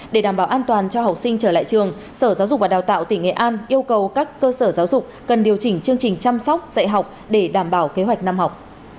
để đảm bảo an toàn cho học sinh trở lại trường sở giáo dục và đào tạo tỉnh nghệ an yêu cầu các cơ sở giáo dục cần điều chỉnh chương trình chăm sóc dạy học để đảm bảo kế hoạch năm học